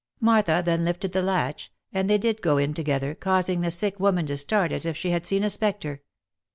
Martha then lifted the latch, and they did go in together, causing the sick woman to start as if she had seen a spectre.